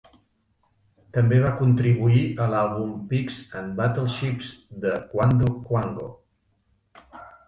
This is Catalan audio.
També va contribuir a l'àlbum "Pigs and Battleships" de Quando Quango.